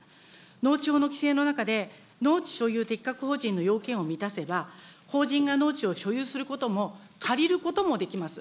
農地法の規制の中で、農地所有適格法人の要件を満たせば、法人が農地を所有することも借りることもできます。